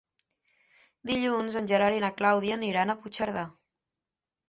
Dilluns en Gerard i na Clàudia aniran a Puigcerdà.